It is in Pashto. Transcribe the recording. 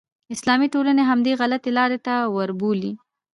اسلامي ټولنې همدې غلطې لارې ته وربولي.